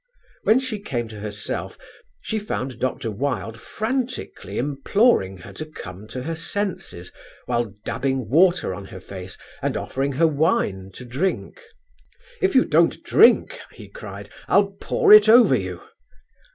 When she came to herself she found Dr. Wilde frantically imploring her to come to her senses, while dabbing water on her face, and offering her wine to drink. "If you don't drink," he cried, "I'll pour it over you."